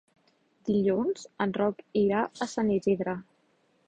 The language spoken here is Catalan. Dilluns en Roc irà a Sant Isidre.